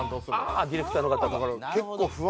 ああディレクターの方が。